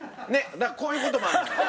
だからこういう事もあるのよ。